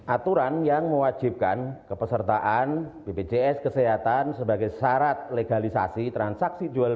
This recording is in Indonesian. aturan yang mewajibkan kepesertaan bpjs kesehatan sebagai syarat legalisasi transaksi jualan